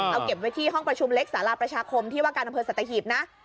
เอาเก็บไว้ที่ห้องประชุมเล็กสาราประชาคมที่ว่าการอำเภอสัตหีบนะ